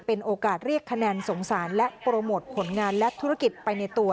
เป็นโอกาสเรียกคะแนนสงสารและโปรโมทผลงานและธุรกิจไปในตัว